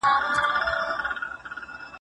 څنګه د کوښښ او زیار پایله تل د مهارت څخه خوږه وي؟